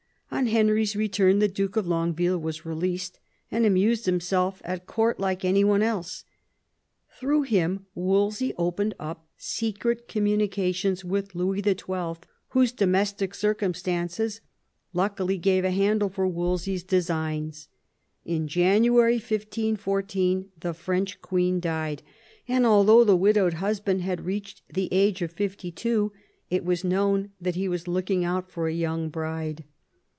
On Henry's return the Duke of Longueville was released, and amused himself at Court like any one else. Through him Wolsey opened up secret communications with Louis XIL, whose domestic circumstances luckily gave a handle for Wolsey 's designs. In January. 1514 the French queen died; and although the widowed husband had reached the age of fifty two, it was known that he was looking out for a young bride.